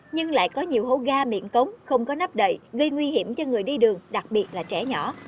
nhưng lại có nhiều hố ga miệng cống không có nắp đầy gây nguy hiểm cho người đi đường đặc biệt là trẻ nhỏ